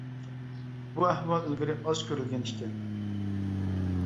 بۇ ئەھۋال ئىلگىرى ئاز كۆرۈلگەن ئىكەن.